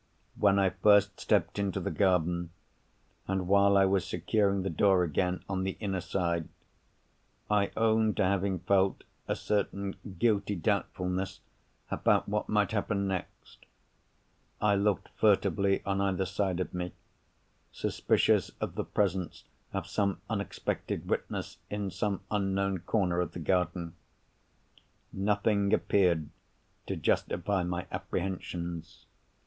When I first stepped into the garden, and while I was securing the door again on the inner side, I own to having felt a certain guilty doubtfulness about what might happen next. I looked furtively on either side of me; suspicious of the presence of some unexpected witness in some unknown corner of the garden. Nothing appeared, to justify my apprehensions.